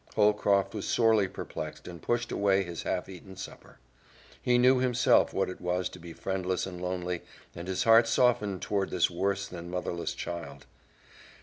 Holcroft was sorely perplexed and pushed away his half eaten supper. He knew himself what it was to be friendless and lonely, and his heart softened toward this worse than motherless child.